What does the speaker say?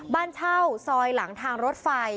บ้านเช่าซอยหลังทางรถไฟ